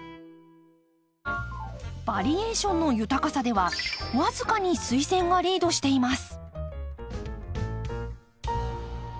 バリエーションの豊かさでは僅かにスイセンがリードしています。